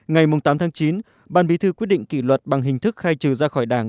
ngày tám chín ban bí thư quyết định kỷ luật bằng hình thức khai trừ ra khỏi đảng